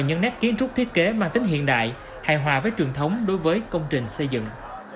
những nét kiến trúc thiết kế mang tính hiện đại hài hòa với truyền thống đối với công trình xây dựng